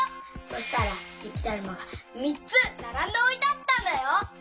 そしたらゆきだるまがみっつならんでおいてあったんだよ。